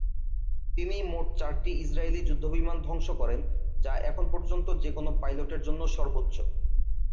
তিনি মোট চারটি ইসরায়েলি যুদ্ধবিমান ধ্বংস করেন, যা এখন পর্যন্ত যেকোনো পাইলটের জন্য সর্বোচ্চ।